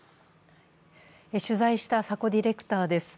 取材した佐古ディレクターです。